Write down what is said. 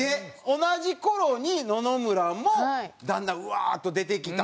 同じ頃に野々村も段々うわーっと出てきた。